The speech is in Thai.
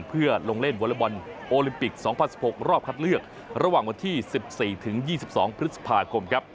เพื่อลงเล่นวอเล็กบอลโอลิมปิก๒๐๑๖รอบคัดเลือกระหว่างวันที่๑๔ถึง๒๒พฤษภาคมครับ